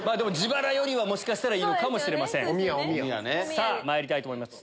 さぁまいりたいと思います